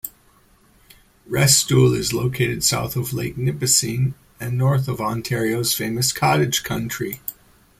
Restoule is located south of Lake Nipissing, and north of Ontario's famous cottage country.